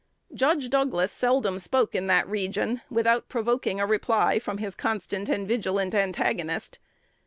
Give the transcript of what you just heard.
Judge Douglas seldom spoke in that region without provoking a reply from his constant and vigilant antagonist.